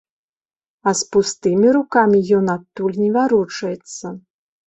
А з пустымі рукамі ён адтуль не варочаецца.